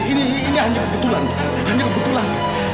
ini ini ini hanya kebetulan hanya kebetulan